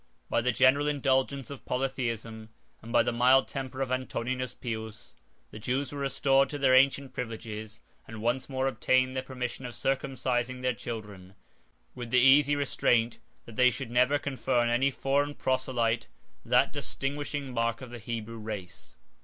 By the general indulgence of polytheism, and by the mild temper of Antoninus Pius, the Jews were restored to their ancient privileges, and once more obtained the permission of circumcising their children, with the easy restraint, that they should never confer on any foreign proselyte that distinguishing mark of the Hebrew race.